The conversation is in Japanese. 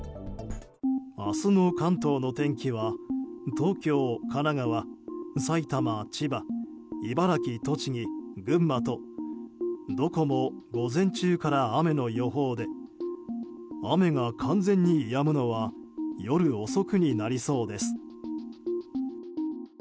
明日の関東の天気は東京、神奈川埼玉、千葉、茨城、栃木、群馬とどこも午前中から雨の予報で雨が完全にやむのは夜遅くになりそうです。